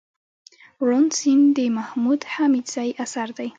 روڼ سيند دمحمود حميدزي اثر دئ